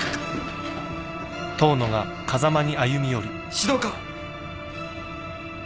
指導官。